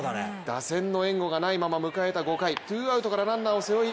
打線の援護がないまま迎えた５回、２アウトから、ランナーを背負い